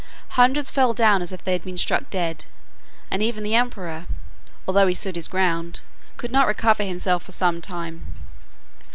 Hundreds fell down as if they had been struck dead; and even the emperor, although he stood his ground, could not recover himself for some time.